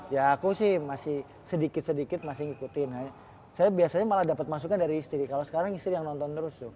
ya aku sih masih sedikit sedikit masih ngikutin saya biasanya malah dapat masukan dari istri kalau sekarang istri yang nonton terus tuh